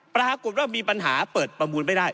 ปรากฏว่ามีปัญหาเปิดประมูลไม่ได้